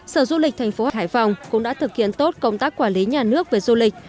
sở du lịch thành phố hải phòng cũng đã thực hiện tốt công tác quản lý nhà nước về du lịch